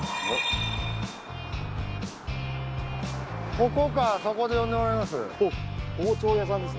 ここかそこで呼んでもらいます？